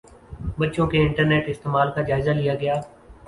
بچوں کے انٹرنیٹ کے استعمال کا جائزہ لیا گیا